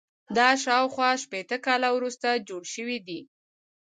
دا شاوخوا شپېته کاله وروسته جوړ شوی دی.